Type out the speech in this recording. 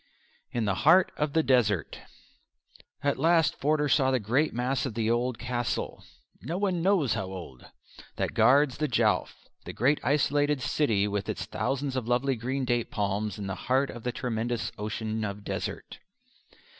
In the Heart of the Desert At last Forder saw the great mass of the old castle, "no one knows how old," that guards the Jowf that great isolated city with its thousands of lovely green date palms in the heart of the tremendous ocean of desert.